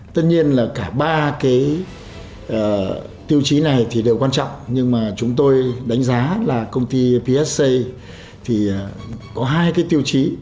tất nhiên là cả ba tiêu chí này đều quan trọng nhưng mà chúng tôi đánh giá là công ty psa có hai tiêu chí